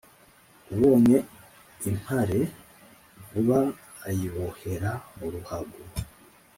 ubonye im pare vuba ayibohera u ruhago